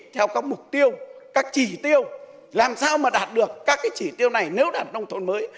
theo các mục tiêu các chỉ tiêu làm sao mà đạt được các cái chỉ tiêu này nếu đạt nông thôn mới